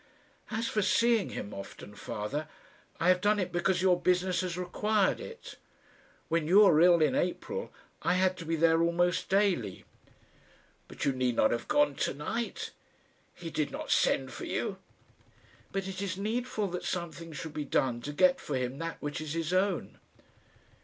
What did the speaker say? "As for seeing him often, father, I have done it because your business has required it. When you were ill in April I had to be there almost daily." "But you need not have gone to night. He did not send for you." "But it is needful that something should be done to get for him that which is his own."